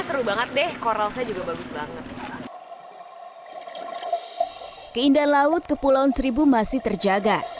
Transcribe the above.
seru banget deh coral saya juga bagus banget keindahan laut kepulauan seribu masih terjaga